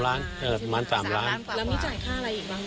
แล้วนี่จ่ายค่าอะไรอีกบ้างไหมครับ